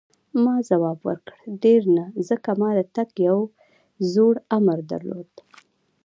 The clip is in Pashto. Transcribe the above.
ما ځواب ورکړ: ډېر نه، ځکه ما د تګ یو زوړ امر درلود.